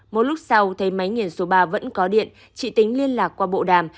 một lúc sau thấy máy nghiền số ba vẫn có điện chị tính liên lạc qua bộ đàm